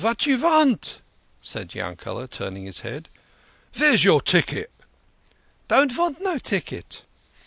Vat you vant ?" said Yankele", turning his head. "Vhere's your ticket?" " Don't vant no ticket."